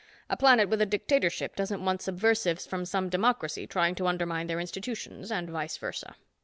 A planet with a dictatorship doesn't want subversives from some democracy trying to undermine their institutions—and vice versa."